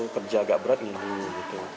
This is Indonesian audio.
kerja agak berat ngilu